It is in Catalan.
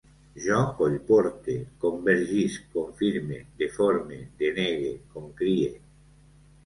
Jo collporte, convergisc, confirme, deforme, denege, concrie